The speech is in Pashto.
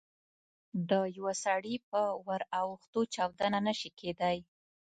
د یوه سړي په ور اوښتو چاودنه نه شي کېدای.